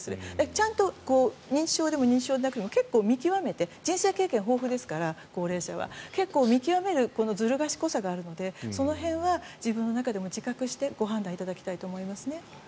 ちゃんと、認知症でも結構見極めて高齢者は人生経験豊富ですから結構、見極めるずる賢さがあるのでその辺は自分の中でも自覚してご判断いただきたいと思います。